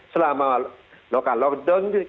selama lokal lockdown